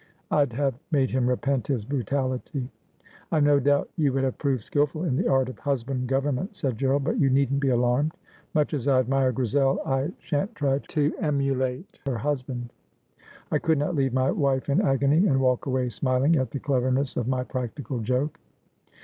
I'd have made him repent his brutality.' ' I have no doubt you would have proved skilful in the art of husband government,' said Gerald. ' But you needn't be alarmed. Much as I admire Grisel I shan't try to emulate her husband. I could not leave my wife in agony, and walk away smiling at the cleverness of my practical joke.